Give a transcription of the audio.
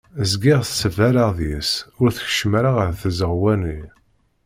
Zgiɣ sberrayeɣ deg-s ur tkeččem ara ɣer tzeɣwa-nni.